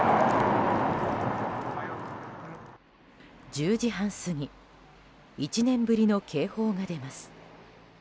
１０時半過ぎ１年ぶりの警報が出ます。